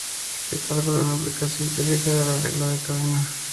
Este cálculo es una aplicación típica de la regla de la cadena.